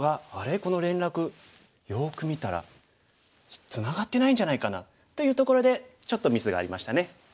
この連絡よく見たらツナがってないんじゃないかな」というところでちょっとミスがありましたね。